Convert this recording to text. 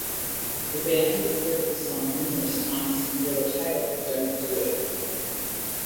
The Band recorded the song numerous times under the title "Don't Do It".